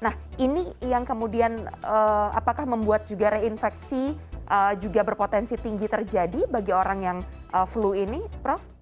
nah ini yang kemudian apakah membuat juga reinfeksi juga berpotensi tinggi terjadi bagi orang yang flu ini prof